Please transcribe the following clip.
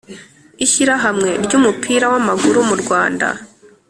ishyirahamwe ry’umupira w’amaguru mu rwanda,